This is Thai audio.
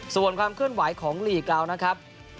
ส่วนความเคลื่อนไหวของลีกเรานะครับ